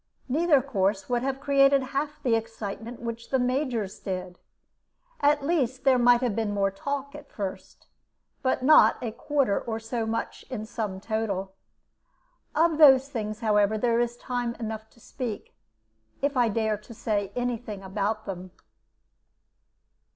Neither course would have created half the excitement which the Major's did. At least, there might have been more talk at first, but not a quarter so much in sum total. Of those things, however, there is time enough to speak, if I dare to say any thing about them.